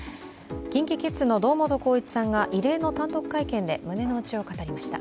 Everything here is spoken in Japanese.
ＫｉｎＫｉＫｉｄｓの堂本光一さんが異例の単独会見で胸の内を語りました。